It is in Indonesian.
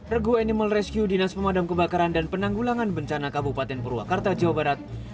rego animal rescue dinas pemadam kebakaran dan penanggulangan bencana kabupaten purwakarta jawa barat